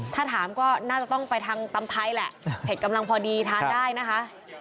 ถ้าถามก็น่าจะต้องไปทางตำไทยแหละเผ็ดกำลังพอดีทานได้นะคะ